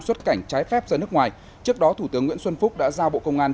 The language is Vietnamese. xuất cảnh trái phép ra nước ngoài trước đó thủ tướng nguyễn xuân phúc đã giao bộ công an